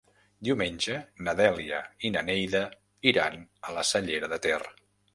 Diumenge na Dèlia i na Neida iran a la Cellera de Ter.